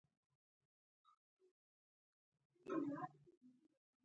ښايي له ماشوم سره د مېږو د لوږې غم و.